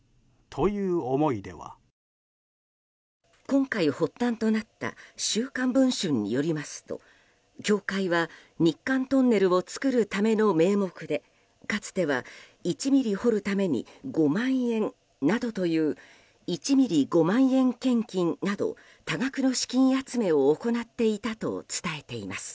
今回、発端となった「週刊文春」によりますと教会は日韓トンネルを造るための名目でかつては１ｍｍ掘るために５万円などという１ｍｍ五万円献金など多額の資金集めを行っていたと伝えています。